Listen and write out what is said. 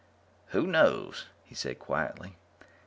"Who knows?" he said quietly.